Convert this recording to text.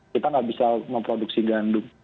kita nggak bisa memproduksi gandum